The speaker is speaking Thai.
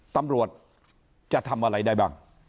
ตำรวจจะทำอะไรได้บ้าง